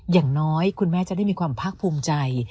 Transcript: อย่างน้อยคุณแม่จะได้มีความภาคภูมิใจ